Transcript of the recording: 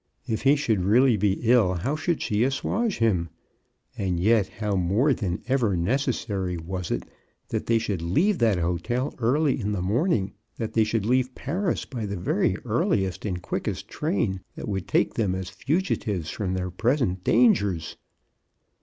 If he should really be ill, how should she assauge him? And yet how more than ever necessary was it that they should leave that hotel early in the morning — that they should leave Paris by the very earliest and quickest train that would take them as fugitives from their present dangers